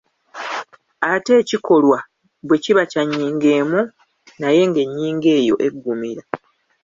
Ate ekikolwa bwe kiba kya nnyingo emu naye ng’ennyingo eyo eggumira.